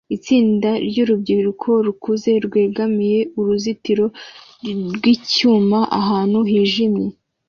Itsinda ryurubyiruko rukuze rwegamiye uruzitiro rwicyuma ahantu hijimye